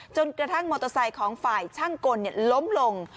จนกระทั่งมอเตอร์ไซค์ของฝ่ายช่างกลล้มลง